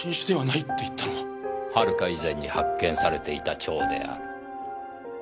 はるか以前に発見されていた蝶である。